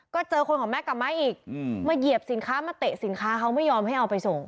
ก็เจอคนของแก๊กกลับมาอีกมาเหยียบสินค้ามาเตะสินค้าเขาไม่ยอมให้เอาไปส่ง